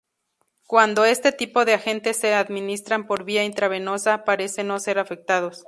Cuando este tipo de agentes se administran por vía intravenosa, parece no ser afectados.